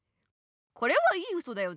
これはいいウソだよね？